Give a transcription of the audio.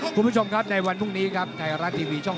คุณผู้ชมครับในวันพรุ่งนี้ครับไทยรัฐทีวีช่อง๓